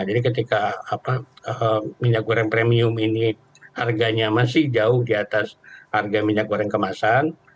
jadi ketika minyak goreng premium ini harganya masih jauh di atas harga minyak goreng kemasan